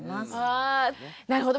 なるほど。